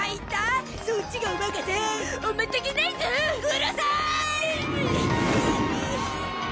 うるさーい！